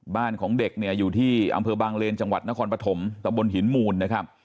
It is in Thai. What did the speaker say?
บ้านของเด็กเนี่ยอยู่ที่อำเภอบางเลนจังหวัดนครปฐมตะบนหินมูลนะครับ